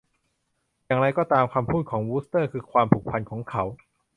อย่างไรก็ตาม คำพูดของวูสเตอร์คือความผูกพันของเขา